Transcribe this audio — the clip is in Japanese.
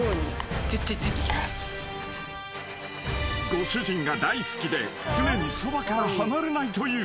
［ご主人が大好きで常にそばから離れないという］